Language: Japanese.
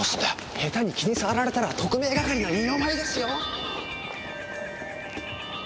下手に気に障られたら特命係の二の舞ですよ！